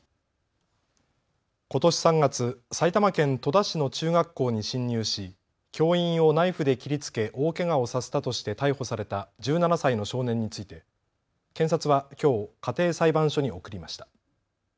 ことし３月、埼玉県戸田市の中学校に侵入し教員をナイフで切りつけ大けがをさせたとして逮捕された１７歳の少年について検察はきょう家庭裁判所に送りました。